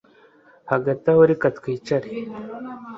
Hagati aho reka twicare